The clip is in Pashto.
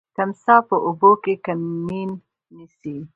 تمساح په اوبو کي کمین نیسي.